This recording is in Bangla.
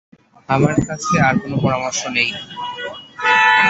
আমার কাছে আর কোনো পরামর্শ নেই।